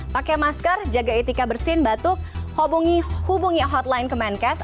pakai masker jaga etika bersin batuk hubungi hotline ke menkes